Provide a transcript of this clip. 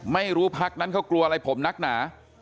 พักนั้นเขากลัวอะไรผมนักหนา